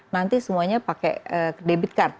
nanti semuanya pakai debit card